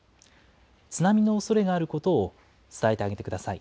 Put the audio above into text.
津波のおそれがあることを伝えてあげてください。